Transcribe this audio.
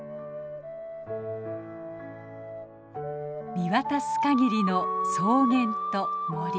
見渡すかぎりの草原と森。